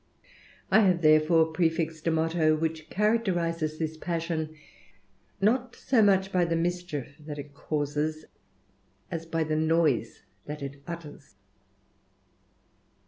I have, therefore, prefixed a motto, which charac terises this passion, not so much by the mischief that it causes, as by the noise that it utters.